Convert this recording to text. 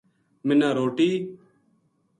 منا روٹی